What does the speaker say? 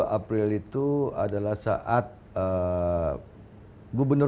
dua puluh dua april itu adalah saat gubernur